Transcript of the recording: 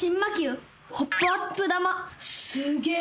すげえ！